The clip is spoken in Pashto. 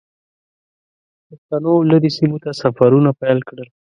پښتنو لرې سیمو ته سفرونه پیل کړل.